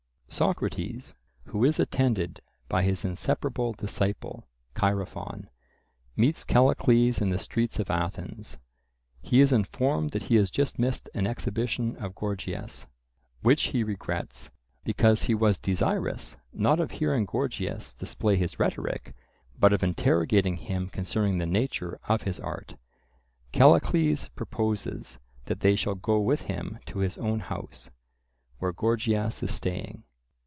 Socrates, who is attended by his inseparable disciple, Chaerephon, meets Callicles in the streets of Athens. He is informed that he has just missed an exhibition of Gorgias, which he regrets, because he was desirous, not of hearing Gorgias display his rhetoric, but of interrogating him concerning the nature of his art. Callicles proposes that they shall go with him to his own house, where Gorgias is staying.